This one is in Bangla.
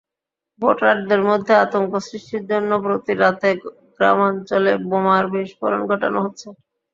ভোটারদের মধ্যে আতঙ্ক সৃষ্টির জন্য প্রতি রাতে গ্রামাঞ্চলে বোমার বিস্ফোরণ ঘটানো হচ্ছে।